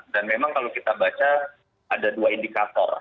dan memang kalau kita baca ada dua indikator